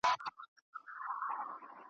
زه مي د خیال په جنازه کي مرمه `